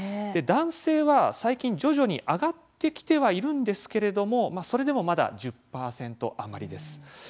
男性は最近、徐々に上がってきてはいるんですけれどもそれでも、まだ１０％余りです。